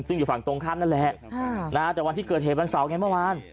ซึ่งอยู่ฝั่งตรงข้ามนั่นแหละแต่วันที่เกิดเหตุวันเสาร์ไงเมื่อวาน